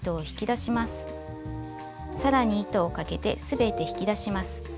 さらに糸をかけて全て引き出します。